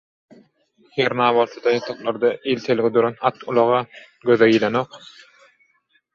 Hernä, bolsa-da, ýataklarda iltelgi duran at-ulag-a göze ilenok.